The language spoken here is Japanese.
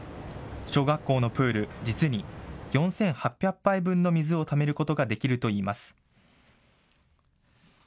小学校のプール、実に４８００杯分の水をためることができるといいます。